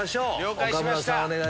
了解しました。